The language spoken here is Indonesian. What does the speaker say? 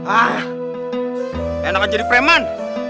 ah enak jadi preman